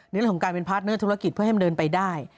เรื่องของการเป็นพาร์ทเนอร์ธุรกิจเพื่อให้มันเดินไปได้